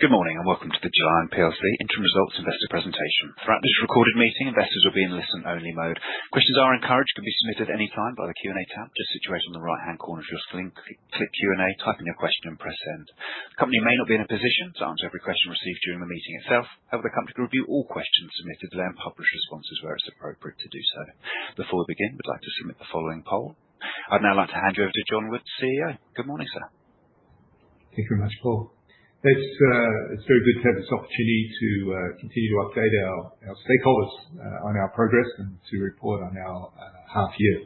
Good morning and welcome to the Gelion Interim Results Investor Presentation. Throughout this recorded meeting, investors will be in listen-only mode. Questions are encouraged to be submitted at any time via the Q&A tab. This situation on the right-hand corner is your screen. Click Q&A, type in your question, and press send. The company may not be in a position to answer every question received during the meeting itself. However, the company can review all questions submitted to them and publish responses where it's appropriate to do so. Before we begin, we'd like to submit the following poll. I'd now like to hand you over to John Wood, CEO. Good morning, sir. Thank you very much, Paul. It's very good to have this opportunity to continue to update our stakeholders on our progress and to report on our half-year.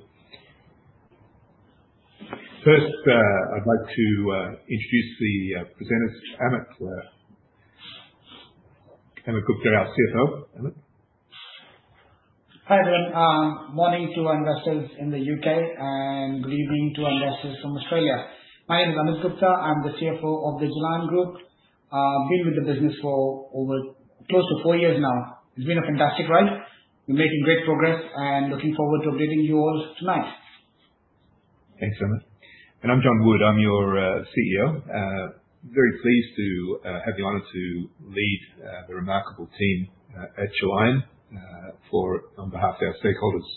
First, I'd like to introduce the presenters, Amit Gupta and our CFO, Amit. Hi there. Morning to investors in the U.K. and greetings to investors from Australia. My name is Amit Gupta. I'm the CFO of the Gelion Group. I've been with the business for over close to four years now. It's been a fantastic ride. We're making great progress and looking forward to updating you all tonight. Thanks very much. I'm John Wood. I'm your CEO. Very pleased to have the honor to lead the remarkable team at Gelion on behalf of our stakeholders.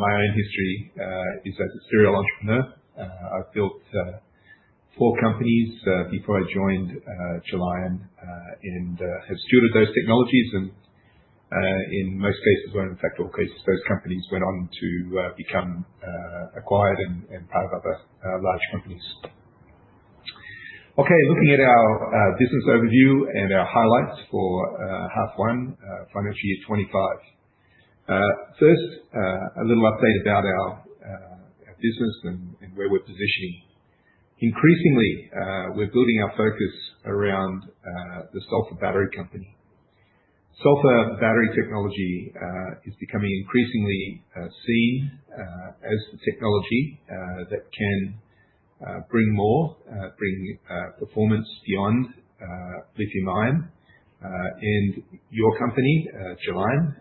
My own history is that as a serial entrepreneur, I've built four companies before I joined Gelion and have stewarded those technologies. In most cases, in fact, all cases, those companies went on to become acquired and part of other large companies. Looking at our business overview and our highlights for half one, financial year 2025. First, a little update about our business and where we're positioning. Increasingly, we're building our focus around the Sulphur Battery Company. Sulphur battery technology is becoming increasingly seen as the technology that can bring more, bring performance beyond lithium-ion. Your company, Gelion,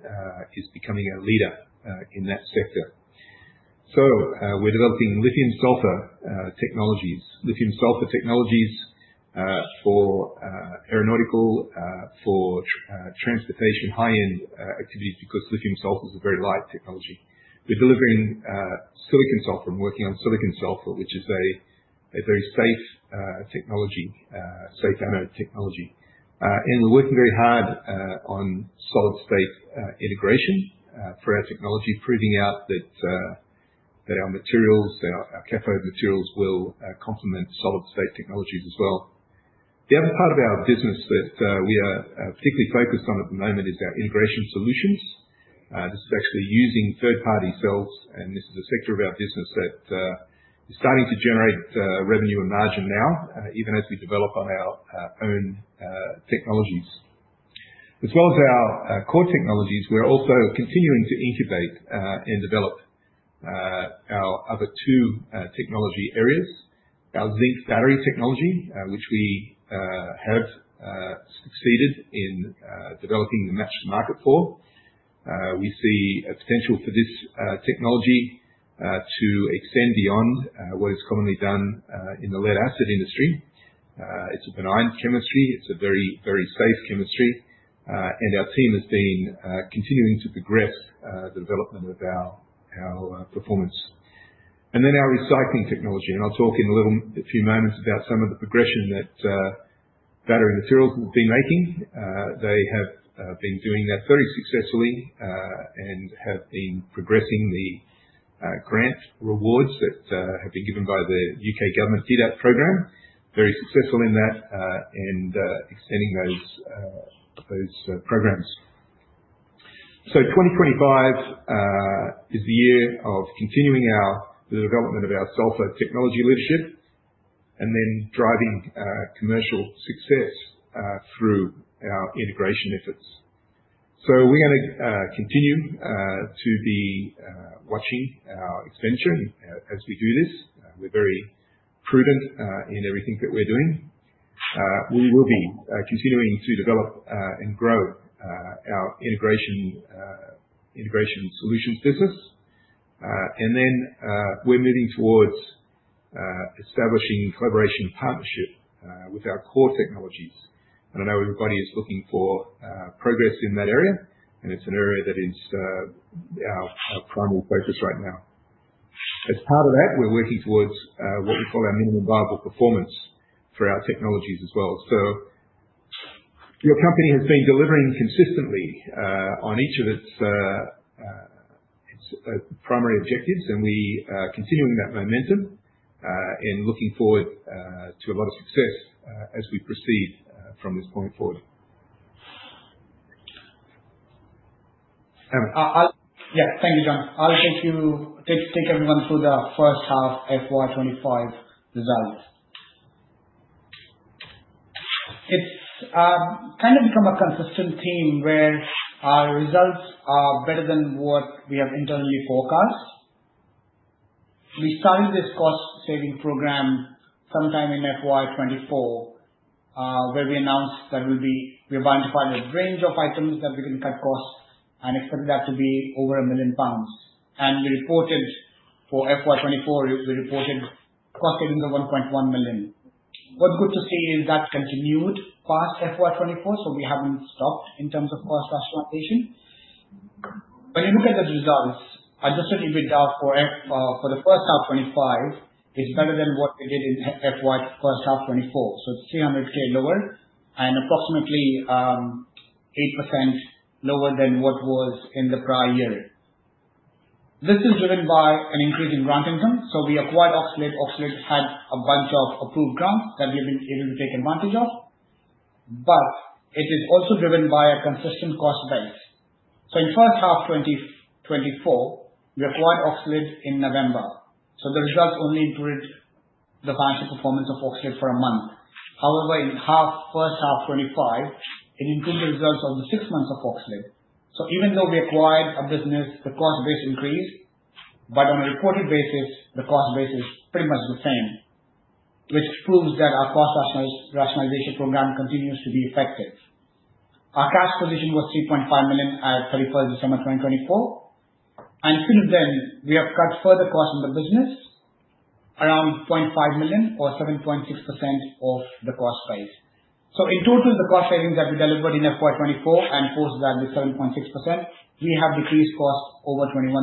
is becoming a leader in that sector. We're developing lithium-sulphur technologies, lithium-sulphur technologies for aeronautical, for transportation, high-end activities because lithium-sulphur is a very light technology. We're delivering silicon-sulphur and working on silicon-sulphur, which is a very safe technology, safe anode technology. We're working very hard on solid-state integration for our technology, proving out that our materials, our cathode materials, will complement solid-state technologies as well. The other part of our business that we are particularly focused on at the moment is our integration solutions. This is actually using third-party cells, and this is a sector of our business that is starting to generate revenue and margin now, even as we develop on our own technologies. As well as our core technologies, we're also continuing to incubate and develop our other two technology areas, our zinc battery technology, which we have succeeded in developing the match to market for. We see a potential for this technology to extend beyond what is commonly done in the lead-acid industry. It's a benign chemistry. It's a very, very safe chemistry. Our team has been continuing to progress the development of our performance. Then our recycling technology. I'll talk in a little few moments about some of the progression that Battery Materials have been making. They have been doing that very successfully and have been progressing the grant rewards that have been given by the U.K. government through that program, very successful in that and extending those programs. 2025 is the year of continuing the development of our sulphur technology leadership and then driving commercial success through our integration efforts. We're going to continue to be watching our expansion as we do this. We're very prudent in everything that we're doing. We will be continuing to develop and grow our integration solutions business. We are moving towards establishing collaboration and partnership with our core technologies. I know everybody is looking for progress in that area, and it is an area that is our primary focus right now. As part of that, we are working towards what we call our minimum viable performance for our technologies as well. Your company has been delivering consistently on each of its primary objectives, and we are continuing that momentum and looking forward to a lot of success as we proceed from this point forward. Yeah, thank you, John. I'll just take everyone through the first half FY 2025 results. It's kind of become a consistent theme where our results are better than what we have internally forecast. We started this cost-saving program sometime in FY 2024, where we announced that we're going to find a range of items that we can cut costs and expect that to be over 1 million pounds. We reported for FY 2024, we reported cost savings of 1.1 million. What's good to see is that continued past FY 2024, so we haven't stopped in terms of cost transformation. When you look at the results, I just said for the first half 2025, it's better than what we did in FY 2024. It's 300,000 lower and approximately 8% lower than what was in the prior year. This is driven by an increase in grant income. We acquired OXLiD. OXLiD had a bunch of approved grants that we've been able to take advantage of. It is also driven by a consistent cost base. In first half 2024, we acquired OXLiD in November. The results only improved the financial performance of OXLiD for a month. However, in first half 2025, it improved the results on the six months of OXLiD. Even though we acquired a business, the cost base increased, but on a reported basis, the cost base is pretty much the same, which proves that our cost rationalization program continues to be effective. Our cash position was 3.5 million at 31st of December 2024. Since then, we have cut further costs in the business, around 0.5 million or 7.6% of the cost base. In total, the cost savings that we delivered in FY 2024 and post that was 7.6%. We have decreased costs over 21%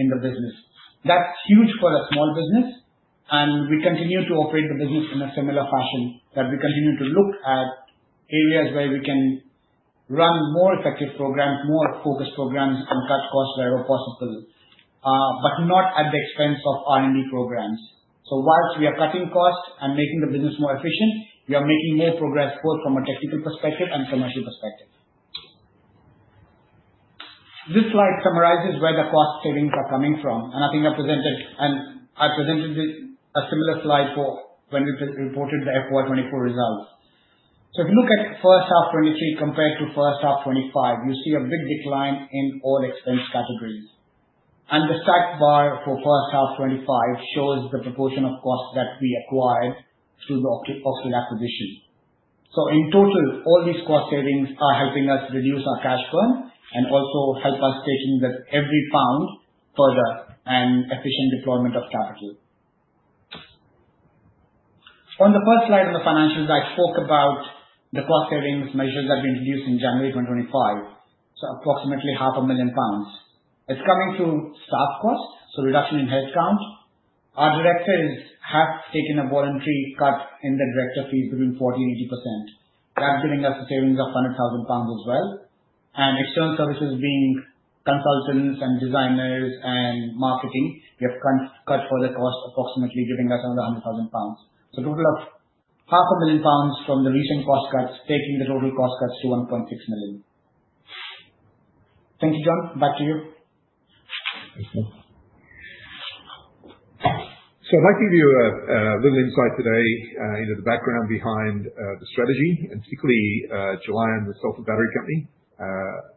in the business. That's huge for a small business. We continue to operate the business in a similar fashion that we continue to look at areas where we can run more effective programs, more focused programs and cut costs wherever possible, but not at the expense of R&D programs. Whilst we are cutting costs and making the business more efficient, we are making more progress both from a technical perspective and commercial perspective. This slide summarizes where the cost savings are coming from. I think I presented a similar slide for when we reported the FY 2024 results. If you look at first half 2023 compared to first half 2025, you see a big decline in all expense categories. The stacked bar for first half 2025 shows the proportion of costs that we acquired through the OXLiD acquisition. In total, all these cost savings are helping us reduce our cash burn and also help us taking that every pound further and efficient deployment of strategy. On the first slide on the financials, I spoke about the cost savings measures that we introduced in January 2025, so approximately GBP 500,000. It is coming through staff costs, so reduction in headcount. Our directors have taken a voluntary cut in the director fee between 40%-80%. That is giving us a savings of 100,000 pounds as well. External services being consultants and designers and marketing, we have cut further costs approximately giving us another 100,000 pounds. A total of 500,000 pounds from the recent cost cuts taking the total cost cuts to 1.6 million. Thank you, John. Back to you. Thank you. I would like to give you a little insight today into the background behind the strategy and particularly Gelion, the Sulphur Battery Company. Where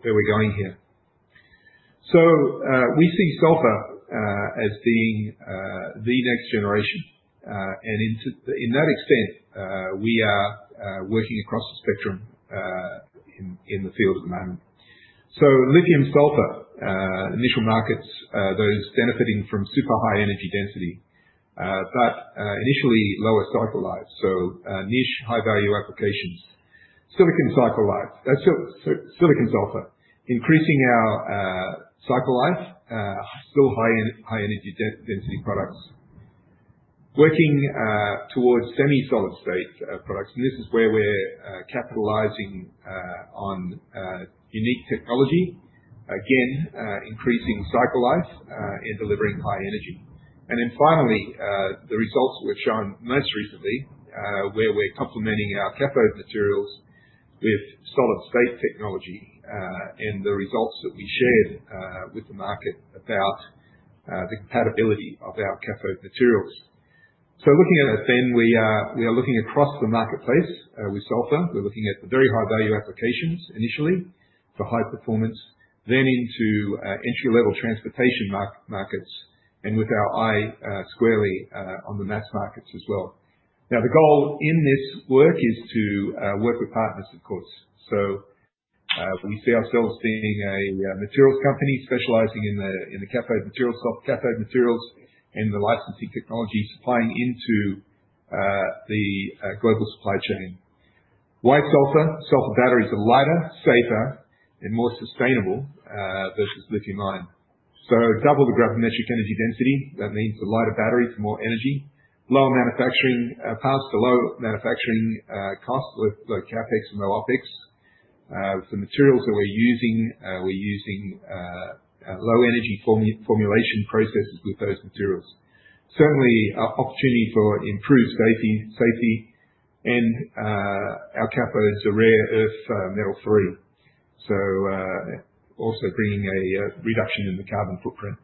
we are going here is we see sulphur as being the next generation. In that extent, we are working across the spectrum in the field at the moment. Lithium-sulphur, initial markets, those benefiting from super high energy density, but initially lower cycle lives. Niche, high-value applications. Silicon cycle lives. That is silicon sulphur. Increasing our cycle life, still high energy density products. Working towards semi-solid-state products. This is where we are capitalizing on unique technology. Again, increasing cycle life and delivering high energy. Finally, the results we have shown most recently, where we are complementing our cathode materials with solid state technology and the results that we shared with the market about the compatibility of our cathode materials. Looking at that, we are looking across the marketplace with sulphur. We're looking at the very high-value applications initially for high performance, then into entry-level transportation markets and with our eye squarely on the mass markets as well. The goal in this work is to work with partners, of course. We see ourselves being a materials company specializing in the cathode materials, cathode materials, and the licensing technology supplying into the global supply chain. Why sulphur, sulphur batteries are lighter, safer, and more sustainable versus lithium-ion. Double the gravimetric energy density. That means a lighter battery for more energy, lower manufacturing costs, low manufacturing costs with low CapEx and low OpEx. For materials that we're using, we're using low energy formulation processes with those materials. Certainly, an opportunity for improved safety. Our cathodes are rare earth metal-free. Also bringing a reduction in the carbon footprint.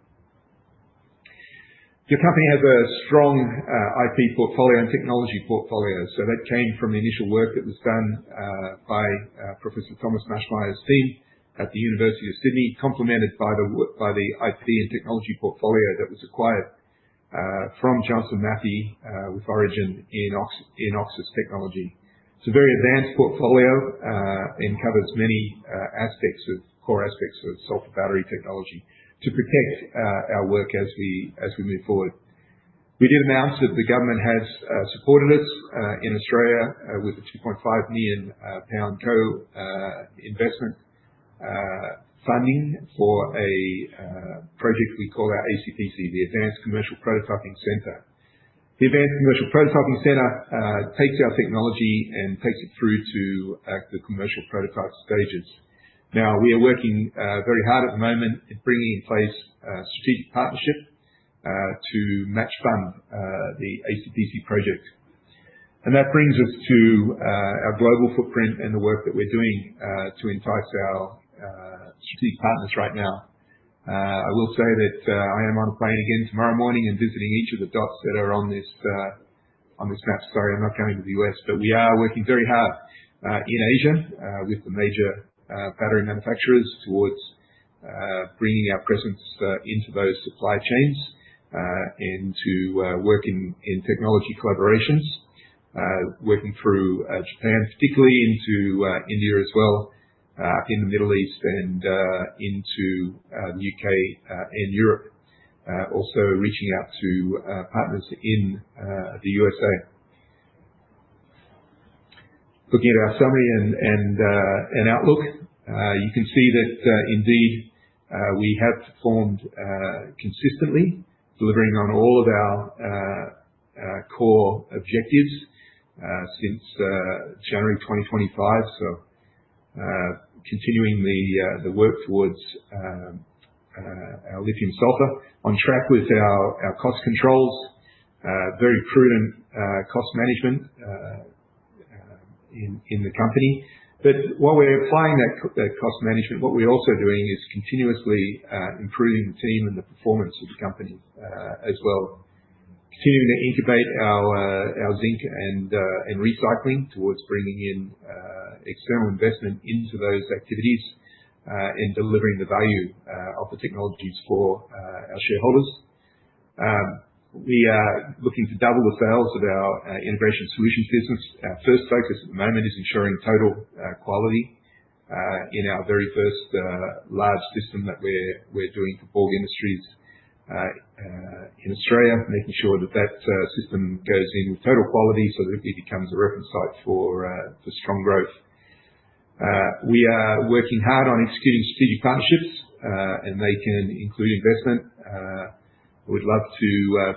The company has a strong IP portfolio and technology portfolio. That came from initial work that was done by Professor Thomas Maschmeyer's team at the University of Sydney, complemented by the IP and technology portfolio that was acquired from Johnson Matthey with origin in Oxis Technologies. It is a very advanced portfolio and covers many aspects of core aspects of sulphur battery technology to protect our work as we move forward. We did announce that the government has supported us in Australia with GBP 2.5 million investment funding for a project we call our ACPC, the Advanced Commercial Prototyping Centre. The Advanced Commercial Prototyping Centre takes our technology and takes it through to the commercial prototype stages. Now, we are working very hard at the moment in bringing in place a strategic partnership to match-fund the ACPC project. That brings us to our global footprint and the work that we're doing to entice our strategic partners right now. I will say that I am on a plane again tomorrow morning and visiting each of the dots that are on this map. Sorry, I'm not going to the U.S., but we are working very hard in Asia with the major battery manufacturers towards bringing our presence into those supply chains and to work in technology collaborations, working through Japan, particularly into India as well, in the Middle East, and into the U.K. and Europe, also reaching out to partners in the U.S.A. Looking at our summary and outlook, you can see that indeed we have performed consistently, delivering on all of our core objectives since January 2025. Continuing the work towards our lithium-sulphur, on track with our cost controls, very prudent cost management in the company. While we're applying that cost management, what we're also doing is continuously improving the team and the performance of the company as well. Continuing to incubate our zinc and recycling towards bringing in external investment into those activities and delivering the value of the technologies for our shareholders. We are looking to double the sales of our integration solutions business. Our first focus at the moment is ensuring total quality in our very first large system that we're doing for all industries in Australia, making sure that that system goes in with total quality so that it becomes a reference site for strong growth. We are working hard on executing strategic partnerships, and they can include investment. We'd love to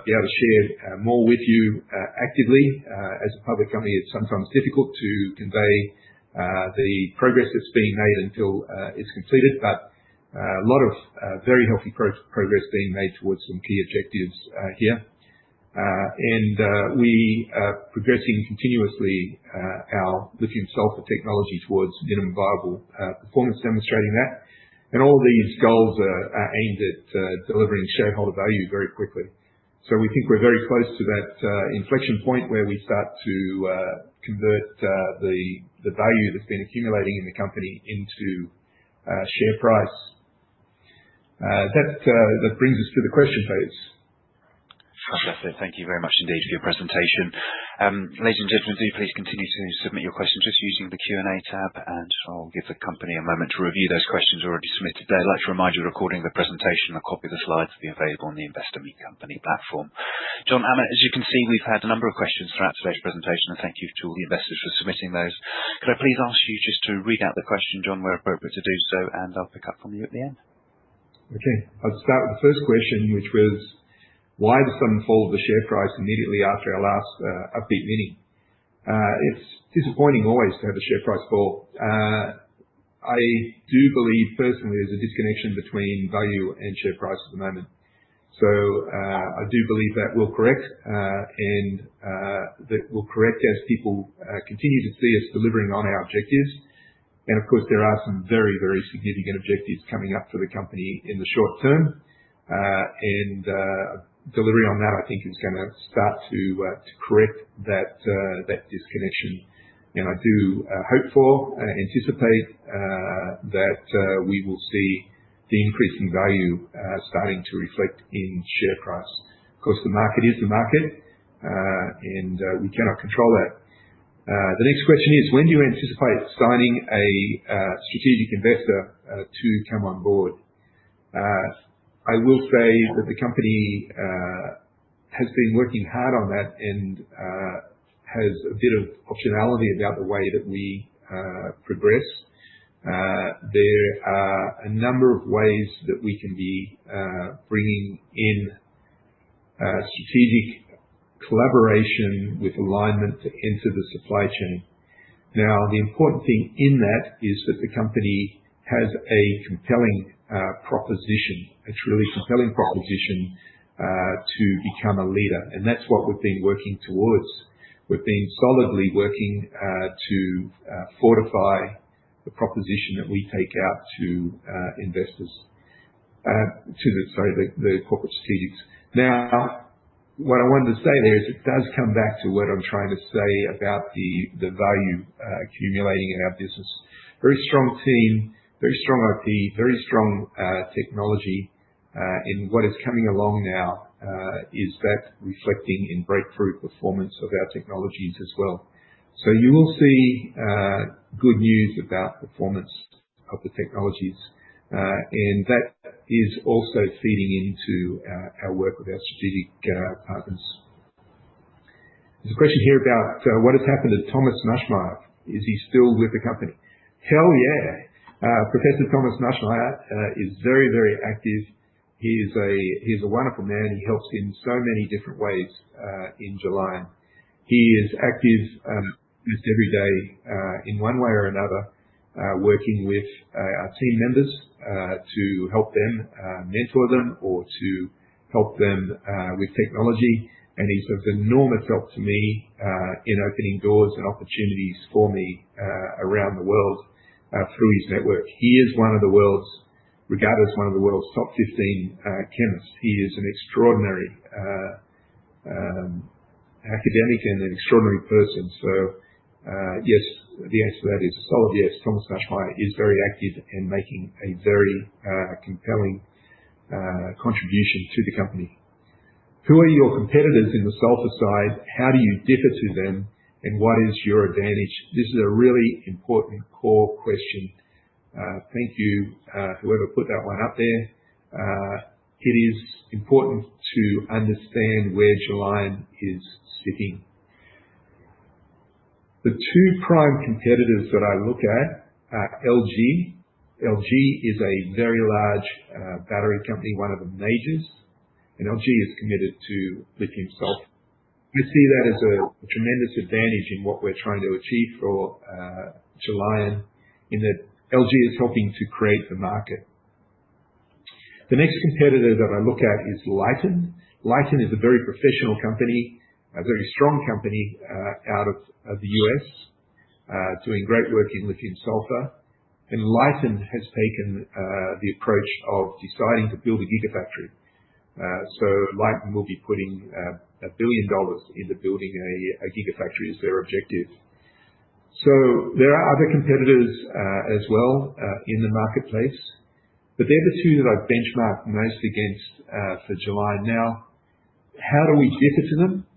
be able to share more with you actively. As a public company, it's sometimes difficult to convey the progress that's being made until it's completed, but a lot of very healthy progress being made towards some key objectives here. We are progressing continuously our lithium-sulphur technology towards minimum viable performance, demonstrating that. All of these goals are aimed at delivering shareholder value very quickly. We think we're very close to that inflection point where we start to convert the value that's been accumulating in the company into share price. That brings us to the question, please. Fantastic. Thank you very much indeed for your presentation. Ladies and gentlemen, do please continue to submit your questions just using the Q&A tab, and I'll give the company a moment to review those questions already submitted. I'd like to remind you we're recording the presentation and a copy of the slides will be available on the Investor Meet Company platform. John, as you can see, we've had a number of questions for our today's presentation, and thank you to all the investors for submitting those. Could I please ask you just to read out the question, John, where appropriate to do so, and I'll pick up from you at the end? Okay. I'll start with the first question, which was, why the sudden fall of the share price immediately after our last upbeat meeting? It's disappointing always to have a share price fall. I do believe personally there's a disconnection between value and share price at the moment. I do believe that will correct, and that will correct as people continue to see us delivering on our objectives. Of course, there are some very, very significant objectives coming up for the company in the short term. Delivery on that, I think, is going to start to correct that disconnection. I do hope for, anticipate that we will see the increasing value starting to reflect in share price. Of course, the market is the market, and we cannot control that. The next question is, when do you anticipate signing a strategic investor to come on board? I will say that the company has been working hard on that and has a bit of optionality about the way that we progress. There are a number of ways that we can be bringing in strategic collaboration with alignment to enter the supply chain. The important thing in that is that the company has a compelling proposition, a truly compelling proposition to become a leader. That is what we've been working towards. We've been solidly working to fortify the proposition that we take out to investors, to the corporate strategics. What I wanted to say there is it does come back to what I'm trying to say about the value accumulating in our business. Very strong team, very strong IP, very strong technology. What is coming along now is that reflecting in breakthrough performance of our technologies as well. You will see good news about performance of the technologies. That is also feeding into our work with our strategic partners. There's a question here about what has happened to Thomas Maschmeyer. Is he still with the company? Hell yeah. Professor Thomas Maschmeyer is very, very active. He's a wonderful man. He helps in so many different ways in Gelion. He is active almost every day in one way or another, working with our team members to help them, mentor them, or to help them with technology. He's of enormous help to me in opening doors and opportunities for me around the world through his network. He is regarded as one of the world's top 15 chemists. He is an extraordinary academic and an extraordinary person. Yes, the answer to that is a solid yes. Thomas Maschmeyer is very active and making a very compelling contribution to the company. Who are your competitors in the sulphur side? How do you differ to them? And what is your advantage? This is a really important core question. Thank you. I want to put that one up there. It is important to understand where Gelion is sitting. The two prime competitors that I look at are LG. LG is a very large battery company, one of the majors. LG is committed to lithium-sulphur. We see that as a tremendous advantage in what we're trying to achieve for Gelion in that LG is helping to create the market. The next competitor that I look at is Lyten. Lyten is a very professional company, a very strong company out of the U.S., doing great work in lithium-sulphur. Lyten has taken the approach of deciding to build a gigafactory. Lyten will be putting $1 billion into building a gigafactory as their objective. There are other competitors as well in the marketplace, but they are the two that I benchmark most against for Gelion. Now, how do we differ to them?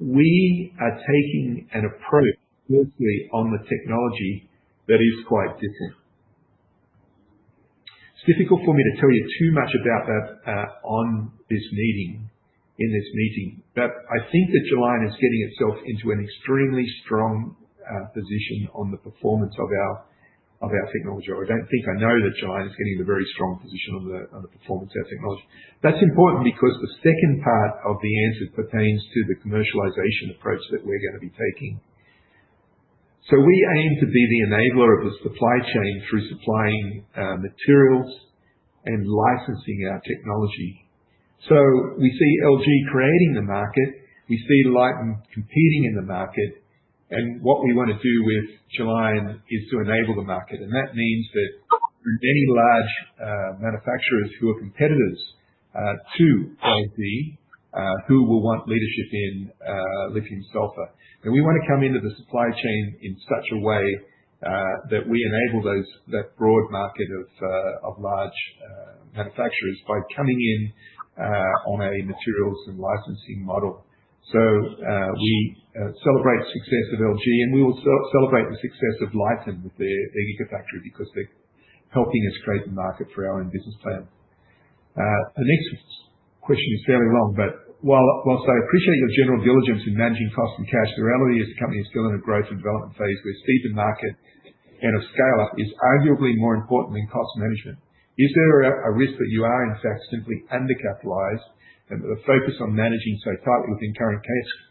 We are taking an approach closely on the technology that is quite different. It is difficult for me to tell you too much about that in this meeting. I think that Gelion is getting itself into an extremely strong position on the performance of our technology. I do not think, I know that Gelion is getting a very strong position on the performance of our technology. That is important because the second part of the answer pertains to the commercialization approach that we are going to be taking. We aim to be the enabler of the supply chain through supplying materials and licensing our technology. We see LG creating the market. We see Lyten competing in the market. What we want to do with Gelion is to enable the market. That means that many large manufacturers who are competitors to LG, who will want leadership in lithium-sulphur. We want to come into the supply chain in such a way that we enable that broad market of large manufacturers by coming in on a materials and licensing model. We celebrate the success of LG, and we will celebrate the success of Lyten with their gigafactory because they are helping us create the market for our own business plan. The next question is fairly long, but whilst I appreciate your general diligence in managing costs and cash, the reality is the company is still in a growth and development phase where speed to market and a scale-up is arguably more important than cost management. Is there a risk that you are, in fact, simply undercapitalized and that the focus on managing so tightly within current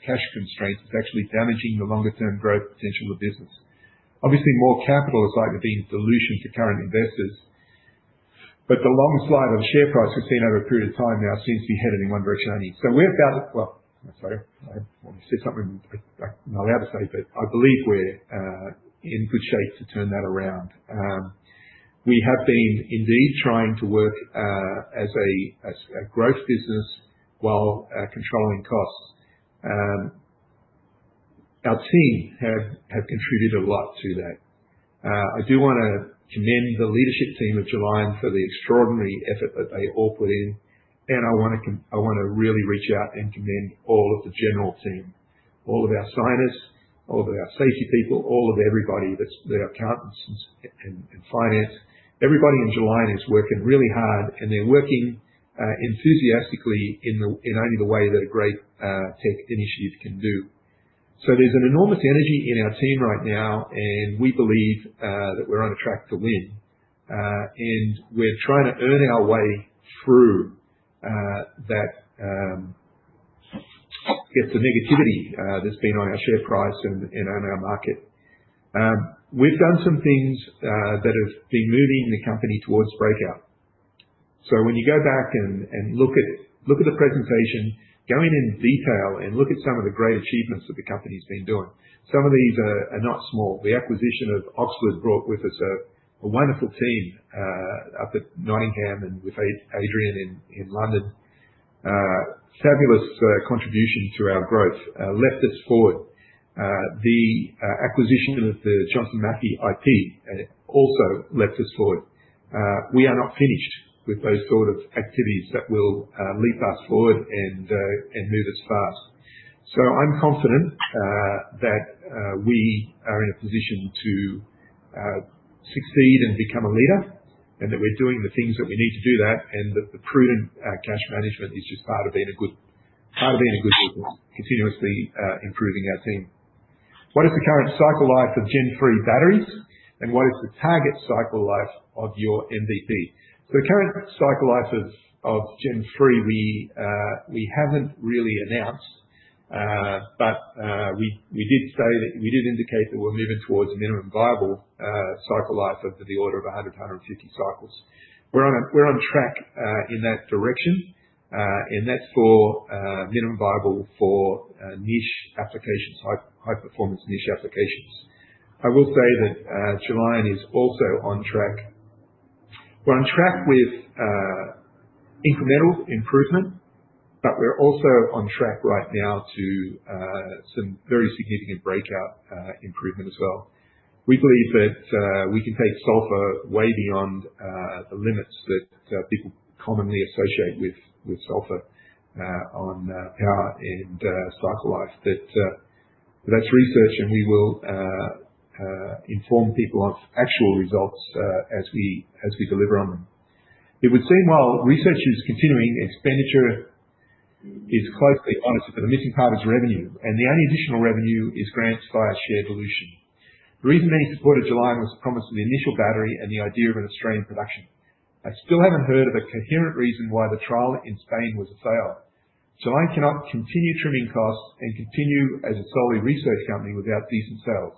cash constraints is actually damaging the longer-term growth potential of the business? Obviously, more capital is likely to be in dilution for current investors. The long slide of the share price we've seen over a period of time now seems to be headed in one direction only. We're about, I want to say something I'm not allowed to say, but I believe we're in good shape to turn that around. We have been indeed trying to work as a growth business while controlling costs. LG have contributed a lot to that. I do want to commend the leadership team at Gelion for the extraordinary effort that they all put in. I want to really reach out and commend all of the general team, all of our finance, all of our safety people, all of everybody that's the accountants and finance. Everybody in Gelion is working really hard, and they're working enthusiastically in only the way that a great tech initiative can do. There is an enormous energy in our team right now, and we believe that we're on a track to win. We are trying to earn our way through that negativity that's been on our share price and on our market. We've done some things that have been moving the company towards breakout. When you go back and look at the presentation, go in in detail and look at some of the great achievements that the company's been doing. Some of these are not small. The acquisition of OXLiD brought with us a wonderful team up at Nottingham and with Adrien in London. Fabulous contribution to our growth. Left us forward. The acquisition of the Johnson Matthey IP also left us forward. We are not finished with those sort of activities that will leap us forward and move us fast. I am confident that we are in a position to succeed and become a leader and that we're doing the things that we need to do that and that the prudent cash management is just part of being a good, part of being a good people, continuously improving our team. What is the current cycle life of Gen 3 batteries and what is the target cycle life of your MVP? The current cycle life of Gen 3, we haven't really announced, but we did say that we did indicate that we're moving towards minimum viable cycle life of the order of 100-150 cycles. We're on track in that direction, and that's for minimum viable for niche applications, high-performance niche applications. I will say that Gelion is also on track. We're on track with incremental improvement, but we're also on track right now to some very significant breakout improvement as well. We believe that we can take sulphur way beyond the limits that people commonly associate with sulphur on power and cycle life. That's research, and we will inform people of actual results as we deliver on them. It would seem while research is continuing, expenditure is closely for the missing part of revenue, and the only additional revenue is grants via shared dilution. The reason many supported Gelion was to promise an initial battery and the idea of an Australian production. I still haven't heard of a coherent reason why the trial in Spain was a fail. Gelion cannot continue trimming costs and continue as a solely research company without decent sales.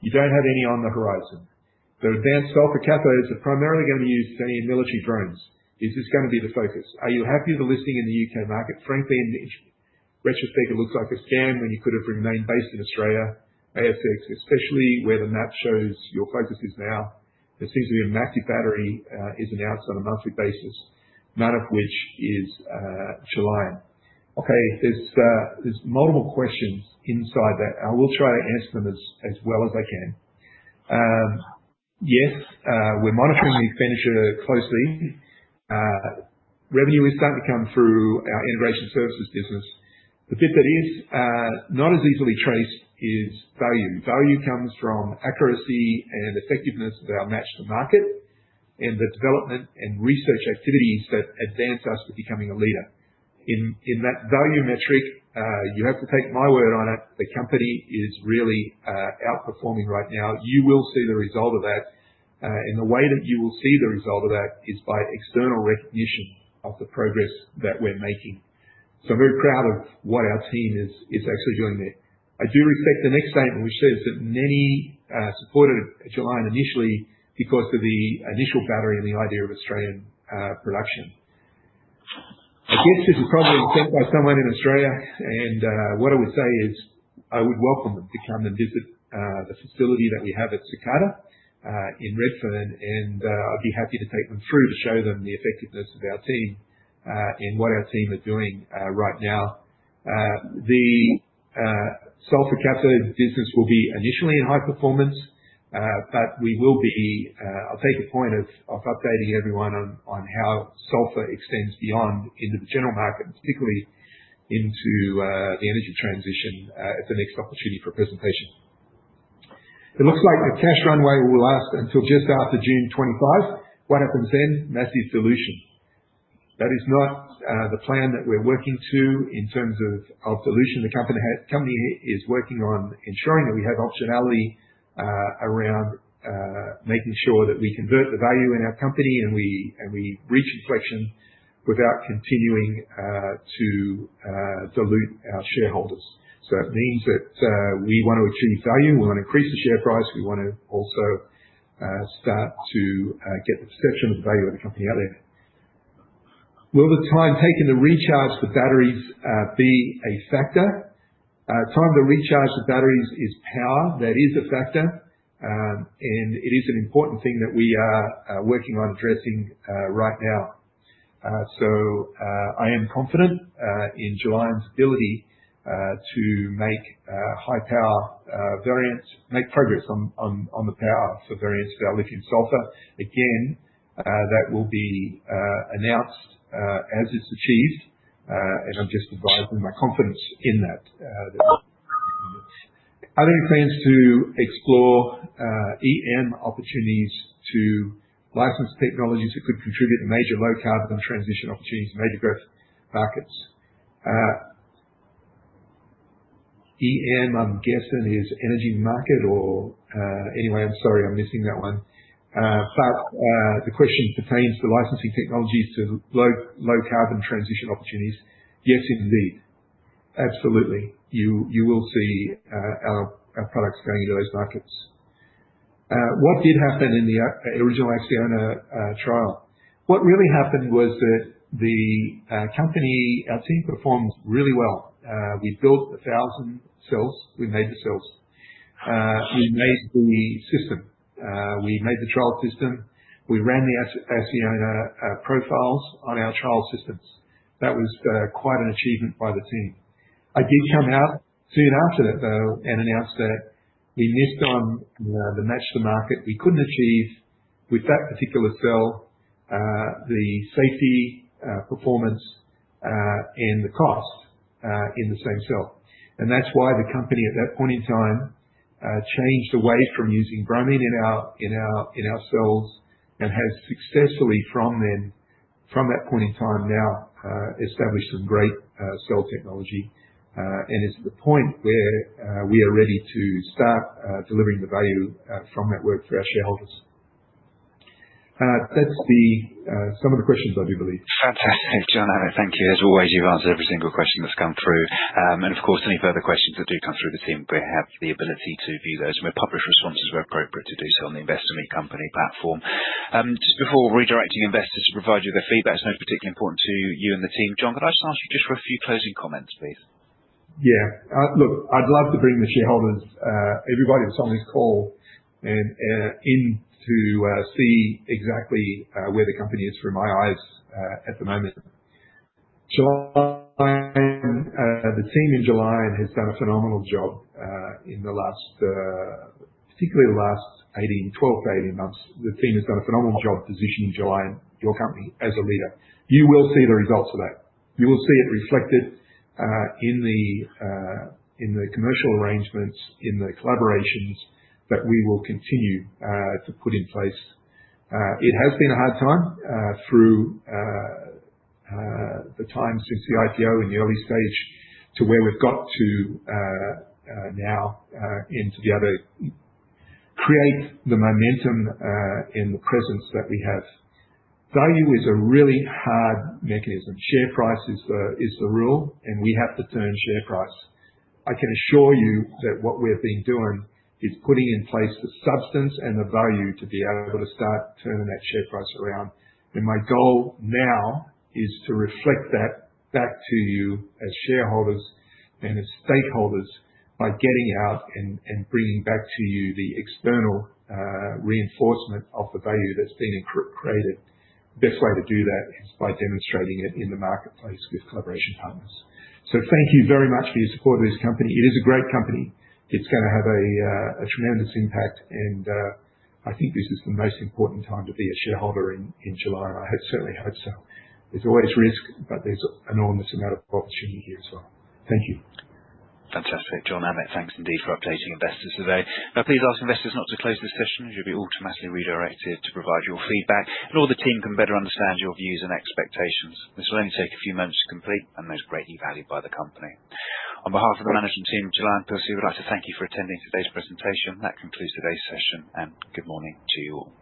You don't have any on the horizon. The advanced sulphur cathodes are primarily going to use military drones. Is this going to be the focus? Are you happy with the listing in the U.K. market? Frankly, in retrospect, it looks like a scam when you could have remained based in Australia, ASX, especially where the map shows your focus is now. There seems to be a massive battery that is announced on a monthly basis, none of which is Gelion. Okay, there's multiple questions inside that. I will try to answer them as well as I can. Yes, we're monitoring the expenditure closely. Revenue is starting to come through our integration services business. The bit that is not as easily traced is value. Value comes from accuracy and effectiveness that match the market and the development and research activities that advance us to becoming a leader. In that value metric, you have to take my word on it. The company is really outperforming right now. You will see the result of that. The way that you will see the result of that is by external recognition of the progress that we're making. I am very proud of what our team is actually doing there. I do respect the next statement, which says that many supported Gelion initially because of the initial battery and the idea of Australian production. I guess it was probably sent by someone in Australia, and what I would say is I would welcome them to come and visit the facility that we have at Cicada in Redfern, and I'd be happy to take them through to show them the effectiveness of our team and what our team is doing right now. The sulphur capsule business will be initially in high performance, but I will take your point of updating everyone on how sulphur extends beyond in the general market, particularly into the energy transition, if the next opportunity for presentation. It looks like the cash runway will last until just after June 2025. What happens then? Massive dilution. That is not the plan that we're working to in terms of solution. The company is working on ensuring that we have optionality around making sure that we convert the value in our company and we reach inflection without continuing to dilute our shareholders. That means that we want to achieve value. We want to increase the share price. We want to also start to get the perception of the value of the company out there. Will the time taken to recharge the batteries be a factor? Time to recharge the batteries is power. That is a factor, and it is an important thing that we are working on addressing right now. I am confident in Gelion's ability to make high-power variants, make progress on the power variants without lithium-sulphur. Again, that will be announced as it's achieved, and I'm just advised with my confidence in that. Other plans to explore OEM opportunities to license technologies that could contribute to major low-carbon transition opportunities, major growth market. OEM, I'm guessing, is energy market or anyway, I'm sorry, I'm missing that one. The question pertains to licensing technologies to low-carbon transition opportunities. Yes, indeed. Absolutely. You will see our products going into those markets. What did happen in the original Acciona trial? What really happened was that the company, our team, performed really well. We built 1,000 cells. We made the cells. We made the system. We made the trial system. We ran the Acciona profiles on our trial systems. That was quite an achievement by the team. I did come out soon after that, though, and announced that we missed on the match to market. We could not achieve with that particular cell the safety performance and the cost in the same cell. That is why the company at that point in time changed away from using bromine in our cells and has successfully from that point in time now established some great cell technology and is at the point where we are ready to start delivering the value from that work for our shareholders. That is some of the questions I do believe. Fantastic. John, thank you. As always, you have answered every single question that has come through. Of course, any further questions that do come through the team, we have the ability to view those and we will publish responses where appropriate to do so on the Investor Meet Company platform. Just before redirecting investors to provide you with their feedback, it is particularly important to you and the team. John, could I just ask you for a few closing comments, please? Yeah. Look, I'd love to bring the shareholders, everybody on this call, in to see exactly where the company is through my eyes at the moment. The team in Gelion has done a phenomenal job in the last, particularly the last 12, 18 months. The team has done a phenomenal job positioning Gelion, your company, as a leader. You will see the results of that. You will see it reflected in the commercial arrangements, in the collaborations that we will continue to put in place. It has been a hard time through the time since the IPO in the early stage to where we've got to now into the other. Create the momentum in the presence that we have. Value is a really hard mechanism. Share price is the rule, and we have to turn share price. I can assure you that what we've been doing is putting in place the substance and the value to be able to start turning that share price around. My goal now is to reflect that back to you as shareholders and as stakeholders by getting out and bringing back to you the external reinforcement of the value that's been created. The best way to do that is by demonstrating it in the marketplace with collaboration partners. Thank you very much for your support of this company. It is a great company. It's going to have a tremendous impact, and I think this is the most important time to be a shareholder in Gelion. I certainly hope so. There's always risk, but there's an enormous amount of opportunity here as well. Thank you. Fantastic. John, thanks indeed for updating investors today. Now, please ask investors not to close this session. You'll be automatically redirected to provide your feedback, and all the team can better understand your views and expectations. This will only take a few moments to complete and is greatly valued by the company. On behalf of the management team of Gelion, we'd like to thank you for attending today's presentation. That concludes today's session, and good morning to you all.